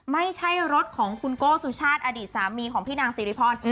ไม่ใช่รถของคุณโก้สุชาติอดีตสามีของพี่นางสิริพร